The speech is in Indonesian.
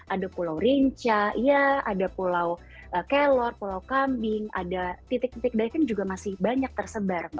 ada pulau rinca ada pulau kelor pulau kambing ada titik titik diving juga masih banyak tersebar